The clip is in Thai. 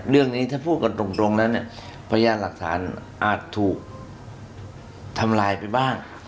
เรื่องนี้ถ้าพูดกันตรงแล้วเนี่ยพยานหลักฐานอาจถูกทำลายไปบ้าง